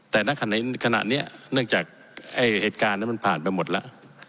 แต่ณขณะนี้เนื่องจากเหตุการณ์นั้นมันผ่านไปหมดแล้ว